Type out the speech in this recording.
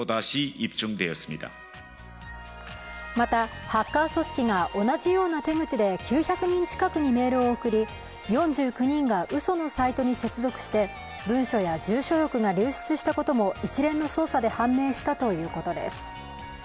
また、ハッカー組織が同じような手口で９００人近くにメールを送り４９人がうそのサイトに接続して文書や住所録が流出したことも一連の捜査で判明したということです。